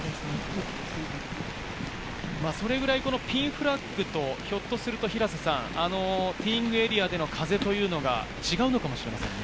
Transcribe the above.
それくらいピンフラッグと、ひょっとすると平瀬さん、ティーイングエリアでの風が違うのかもしれませんね。